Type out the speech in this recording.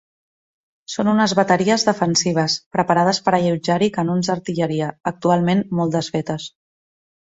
Són unes bateries defensives, preparades per a allotjar-hi canons d'artilleria, actualment molt desfetes.